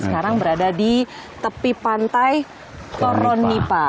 sekarang berada di tepi pantai koronipa